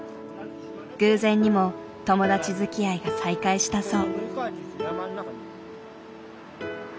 偶然にも友達づきあいが再開したそう。